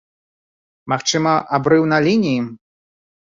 Магчыма, абрыў на лініі?